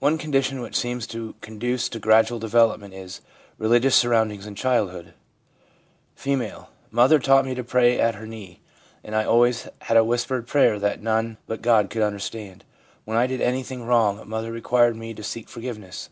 One condition which seems to conduce to gradual development is religious surroundings in childhood, F. ■ Mother taught me to pray at her knee, and I always had a whispered prayer that none but God could understand. When I did anything wrong, mother required me to seek forgiveness.